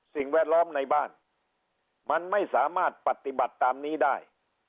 แวดล้อมในบ้านมันไม่สามารถปฏิบัติตามนี้ได้